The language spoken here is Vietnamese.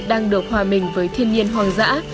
đang được hòa mình với thiên nhiên hoang dã